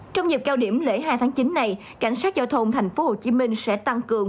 trong dịp cao điểm lễ hai tháng chín này cảnh sát giao thông tp hcm sẽ tăng cường